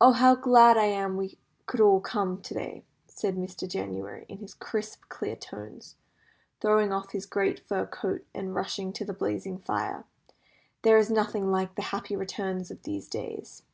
"Oh, how glad I am we could all come to day!" said Mr. January, in his crisp, clear tones, throwing off his great fur coat, and rushing to the blazing fire. "There is nothing like the happy returns of these days."